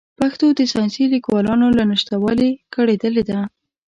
پښتو د ساینسي لیکوالانو له نشتوالي کړېدلې ده.